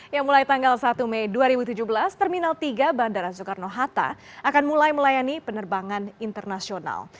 yang mulai tanggal satu mei dua ribu tujuh belas terminal tiga bandara soekarno hatta akan mulai melayani penerbangan internasional